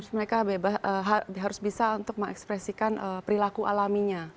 mereka harus bisa untuk mengekspresikan perilaku alaminya